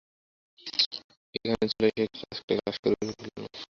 এখানে চলে এসে একটা ক্লাস গড়ে ফেল না।